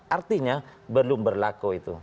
artinya belum berlaku itu